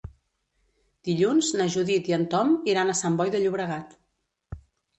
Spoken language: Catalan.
Dilluns na Judit i en Tom iran a Sant Boi de Llobregat.